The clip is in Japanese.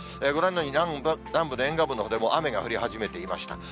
ご覧のように、南部の沿岸部のほうで雨が降り始めていました。